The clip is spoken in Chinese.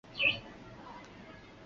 康熙三十二年病卒。